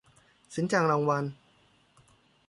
สินจ้างรางวัล